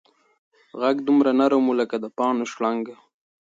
غږ دومره نرم و لکه د پاڼو شرنګ.